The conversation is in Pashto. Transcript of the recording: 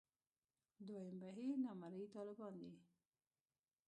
دویم بهیر نامرئي طالبان دي.